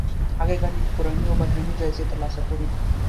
هغې ګڼې کورنۍ او بهرنۍ جایزې ترلاسه کړي.